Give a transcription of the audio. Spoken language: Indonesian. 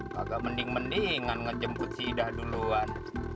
kagak mending mendingan ngejemput si ida duluan